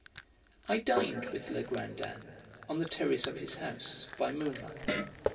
I dined with Legrandin on the terrace of his house, by moonlight.